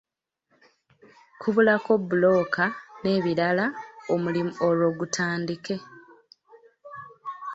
Kubulako bbulooka n'ebirala omulimu olwo gutandike.